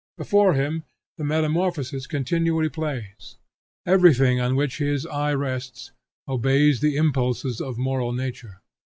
Before him the metamorphosis continually plays. Everything on which his eye rests, obeys the impulses of moral nature.